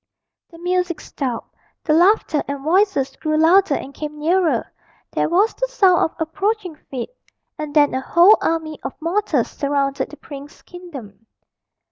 The music stopped, the laughter and voices grew louder and came nearer, there was the sound of approaching feet and then a whole army of mortals surrounded the prince's kingdom.